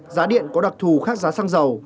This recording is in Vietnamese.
giá điện có đặc thù khác giá xăng dầu